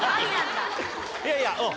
いやいやうん。